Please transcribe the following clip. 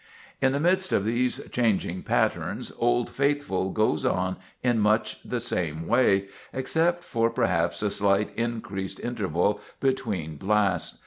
In the midst of these changing patterns, Old Faithful goes on in much the same way, except for perhaps a slight increased interval between blasts.